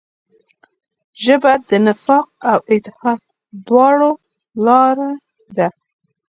ژبه د نفاق او اتحاد دواړو لاره ده